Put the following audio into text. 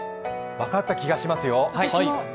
分かった気がしますよ。